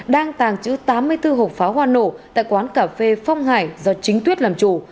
đang tàng trữ tám mươi bốn hộp pháo hoa nổ tại quán cà phê phong hải do chính tuyết làm chủ